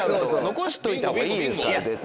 残しといたほうがいいですから絶対。